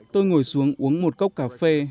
tôi ngồi xuống uống một cốc cà phê